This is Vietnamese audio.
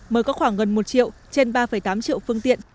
mới có khoảng gần một triệu trên ba tám triệu phương tiện